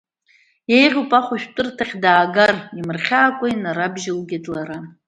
Еиӷьуп ахәшәтәырҭахь даагар, имырхьаакәа инарабжьылгеит лара.